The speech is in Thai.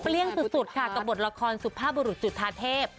เปลี่ยงสุดสุดกับบทละคอนสุภาบรุจุธาเทพ